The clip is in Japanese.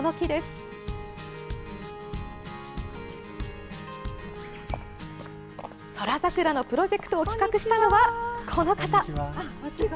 宇宙桜のプロジェクトを企画したのは、この方。